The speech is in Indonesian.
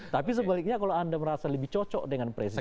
tapi sebaliknya kalau anda merasa lebih cocok dengan presiden